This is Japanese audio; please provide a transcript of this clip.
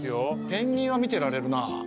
ペンギンは見てられるな。